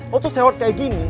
lo tuh seot kayak gini